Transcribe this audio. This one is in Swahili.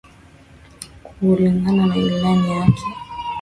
Kulingana na ilani yake